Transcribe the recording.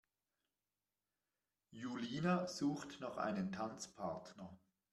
Julina sucht noch einen Tanzpartner.